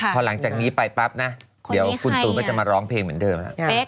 พอหลังจากนี้ไปปั๊บนะเดี๋ยวคุณตูนก็จะมาร้องเพลงเหมือนเดิมแล้ว